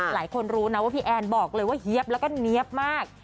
หลายคนรู้นะว่าพี่แอนบอกเลยว่าเฮียบแล้วก็เนี๊ยบมาก